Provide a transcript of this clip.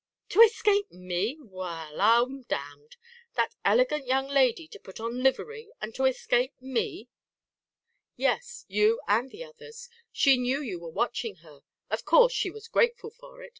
"To escape me! Wall, I'm damned! That elegant young lady to put on livery; and to escape me!" "Yes; you and the others. She knew you were watching her! Of course she was grateful for it!"